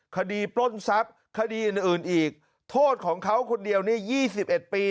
คดีปล้นทรัพย์คดีอื่นอื่นอีกโทษของเขาคนเดียวนี้ยี่สิบเอ็ดปี